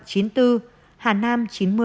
hà nam một trăm linh bảy